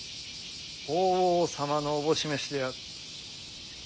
法皇様のおぼし召しである。